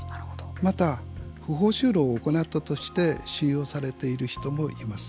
また不法収容を行ったとして収容される人もいます。